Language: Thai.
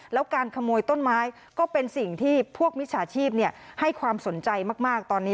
แล้วการขโมยต้นไม้ก็เป็นสิ่งที่พวกมิจฉาชีพให้ความสนใจมากตอนนี้